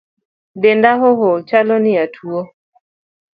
Denda ool, chalo ni atuo